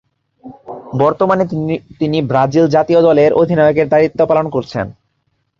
বর্তমানে তিনি ব্রাজিল জাতীয় দলের অধিনায়কের দায়িত্ব পালন করছেন।